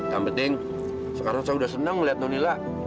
yang penting sekarang saya sudah senang melihat nonila